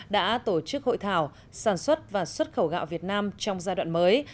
đã tổ chức hội thảo sản xuất và xuất khẩu gạo việt nam trong giai đoạn mới